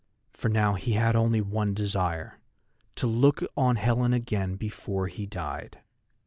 For now he had only one desire: to look on Helen again before he died.